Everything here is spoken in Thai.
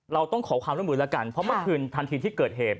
เราต้องขอความร่วมมือแล้วกันเพราะเมื่อคืนทันทีที่เกิดเหตุ